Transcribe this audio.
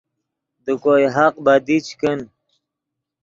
دے کوئے حق بدی چے کن